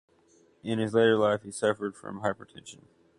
In his later life he suffered from hypertension.